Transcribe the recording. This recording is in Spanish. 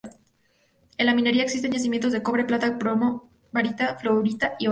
En la minería existen yacimientos de cobre, plata, plomo, barita, fluorita y oro.